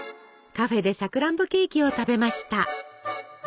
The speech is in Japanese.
カフェでさくらんぼケーキを食べました。